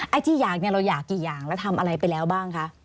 ไอ้ที่อยากเนี่ยเราอยากกี่อย่างแล้วทำอะไรไปแล้วบ้างคะ